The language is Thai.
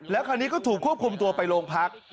คราวนี้ก็ถูกควบคุมตัวไปโรงพัก